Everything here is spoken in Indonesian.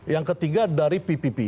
yang ketiga dari ppp